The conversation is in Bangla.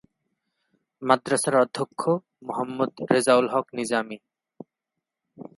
মাদ্রাসার অধ্যক্ষ মোহাম্মদ রেজাউল হক নিজামী।